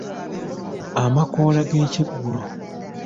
Amakola g’ekyeggulo.